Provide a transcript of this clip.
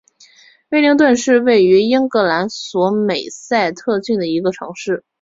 威灵顿是位于英格兰索美塞特郡的一个城市。